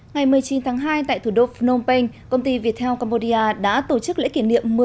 ngày một mươi chín tháng hai tại thủ đô phnom penh công ty viettel cambodia đã tổ chức lễ kỷ niệm